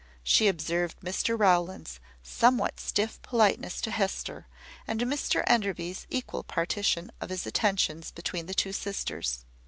She observed Mr Rowland's somewhat stiff politeness to Hester, and Mr Enderby's equal partition of his attentions between the two sisters.